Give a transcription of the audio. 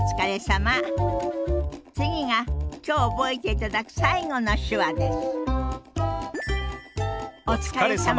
次が今日覚えていただく最後の手話です。